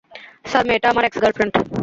Sir, মেয়েটা আমার x-girlfriend.